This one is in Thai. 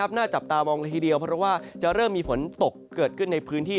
หน้าจับตามองละทีเดียวเพราะว่าจะเริ่มมีฝนตกเกิดขึ้นในพื้นที่